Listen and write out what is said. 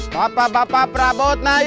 bapak bapak prabot nayu